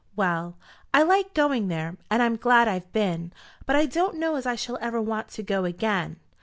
Well; I liked going there, and I'm glad I've been; but I don't know as I shall ever want to go again."